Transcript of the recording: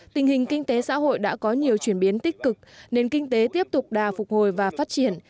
tình hình kinh tế xã hội đã có nhiều chuyển biến tích cực nền kinh tế tiếp tục đà phục hồi và phát triển